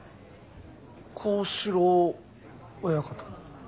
幸四郎親方の。